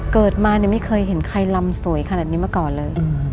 เกิดมาเนี่ยไม่เคยเห็นใครลำสวยขนาดนี้มาก่อนเลย